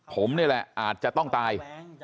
ผมนี่แหละอาจจะต้องตาย